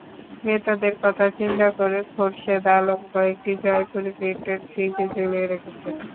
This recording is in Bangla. ক্রেতাদের কথা চিন্তা করে খোরশেদ আলম কয়েকটি জয়পুরী প্রিন্টের থ্রিপিস ঝুলিয়ে রেখেছেন।